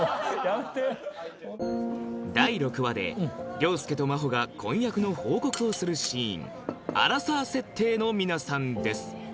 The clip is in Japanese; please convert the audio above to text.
第６話で凌介と真帆が婚約の報告をするシーンアラサー設定の皆さんです